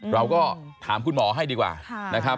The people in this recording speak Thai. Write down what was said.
เราก็ถามคุณหมอให้ดีกว่า